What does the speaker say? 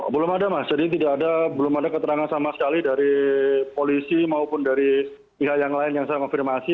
belum ada mas jadi belum ada keterangan sama sekali dari polisi maupun dari pihak yang lain yang saya konfirmasi